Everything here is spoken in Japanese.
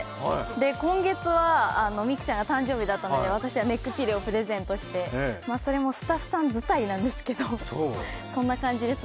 今月は美空ちゃんが誕生日だったので、私はネックピローをプレゼントしてそれもスタッフさん伝いなんですけど、そんな感じです。